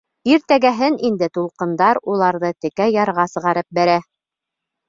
Иртәгәһен инде тулҡындар уларҙы текә ярға сығарып бәрә.